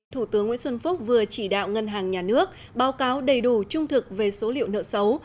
thủ tướng nguyễn xuân phúc vừa chỉ đạo ngân hàng nhà nước báo cáo đầy đủ trung thực về số liệu nợ xấu